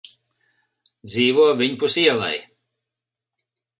Dzīvo viņpus ielai.